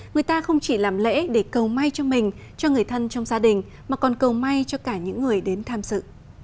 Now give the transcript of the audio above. người ta không chỉ làm lễ để cầu may cho mình cho người thân trong gia đình mà còn cầu may cho cả những người đến tham sự